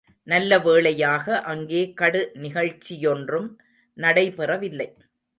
நல்ல வேளையாக, அங்கே கடு நிகழ்ச்சியொன்றும் நடைபெறவில்லை.